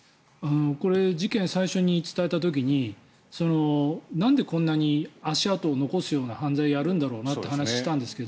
これ事件、最初に伝えた時になんでこんなに足跡を残すような犯罪をやるんだろうなって話をしたんですけど。